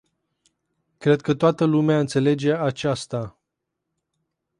Cred că toată lumea înțelege aceasta.